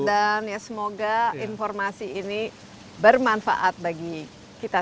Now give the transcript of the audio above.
dan semoga informasi ini bermanfaat bagi kita